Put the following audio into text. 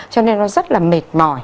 cho nên nó rất là mềm